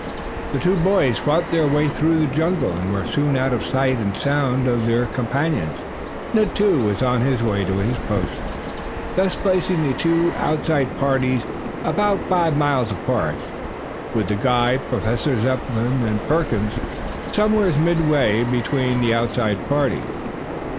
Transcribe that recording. The two boys fought their way through the jungle and were soon out of sight and sound of their companions. Ned, too, was on his way to his post, thus placing the two outside parties about five miles apart, with the guide, Professor Zepplin and Perkins, somewhere midway between the outside parties.